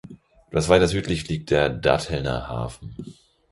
Etwas weiter südlich liegt der Dattelner Hafen.